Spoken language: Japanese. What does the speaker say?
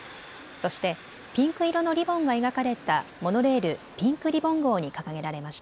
そしてピンク色のリボンが描かれたモノレール、ピンクリボン号に掲げられました。